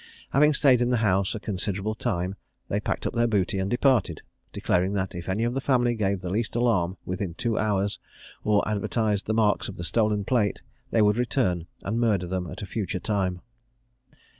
Having staid in the house a considerable time, they packed up their booty and departed, declaring that if any of the family gave the least alarm within two hours, or advertised the marks of the stolen plate, they would return and murder them at a future time.